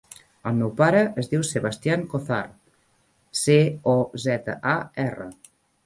El meu pare es diu Sebastian Cozar: ce, o, zeta, a, erra.